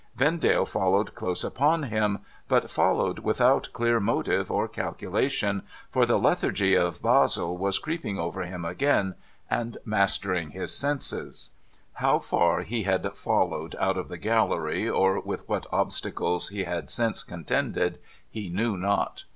Vendale followed close upon him, but followed without clear motive or calculation. For the lethargy of Basle was creeping over him again, and mastering his senses. How far he had followed out of the gallery, or with what obstacles he had since contended, he knew not.